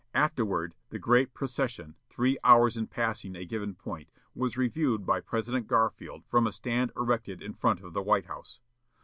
Afterward, the great procession, three hours in passing a given point, was reviewed by President Garfield from a stand erected in front of the White House.